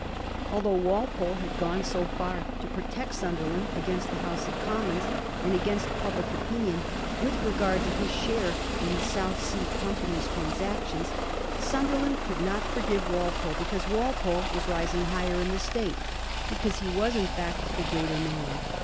Although Walpole had gone so far to protect Sunderland against the House of Commons and against public opinion, with regard to his share in the South Sea Company's transactions, Sunderland could not forgive Walpole because Walpole was rising higher in the State — because he was, in fiict, the greater man.